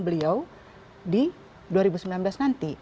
beliau di dua ribu sembilan belas nanti